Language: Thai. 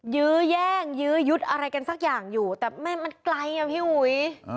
ยื้อแย่งยื้อยุดอะไรกันสักอย่างอยู่แต่มันไกลอ่ะพี่อุ๋ย